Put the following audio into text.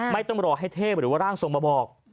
ไม่ต้องรอให้เทพหรือว่าร่างทรงมาบอก